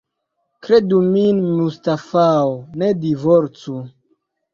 Kredu min, Mustafao, ne divorcu.